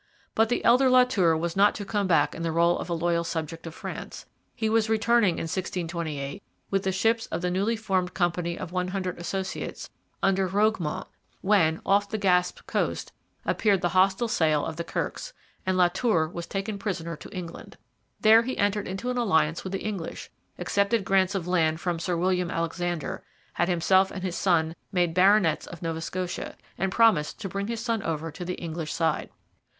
But the elder La Tour was not to come back in the role of a loyal subject of France. He was returning in 1628 with the ships of the newly formed Company of One Hundred Associates, under Roquemont, when, off the Gaspe coast, appeared the hostile sail of the Kirkes; and La Tour was taken prisoner to England. There he entered into an alliance with the English, accepted grants of land from Sir William Alexander, had himself and his son made Baronets of Nova Scotia, and promised to bring his son over to the English side.